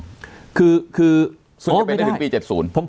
ซึ่งจะเป็นปี๗๐